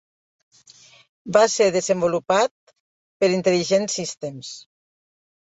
Va ser desenvolupat per Intelligent Systems.